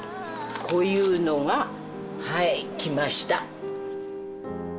こういうのがはいきました。